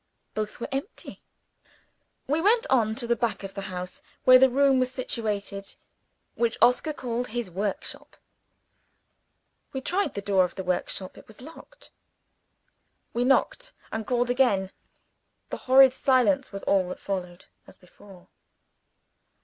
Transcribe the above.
Both were empty. We went on to the back of the house, where the room was situated which Oscar called his workshop. When we tried the door of the workshop it was locked. We knocked, and called again. The horrid silence was all that followed as before.